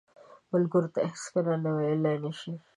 ملګری ته هیڅکله نه ویلې نه شي